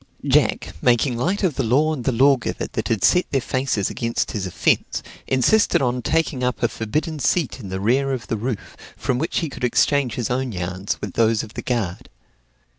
Jack, making light of the law and the lawgiver that had set their faces against his offence, insisted on taking up a forbidden seat in the rear of the roof, from which he could exchange his own yarns with those of the guard.